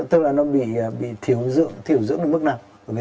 tức là nó bị thiểu dưỡng đến mức nào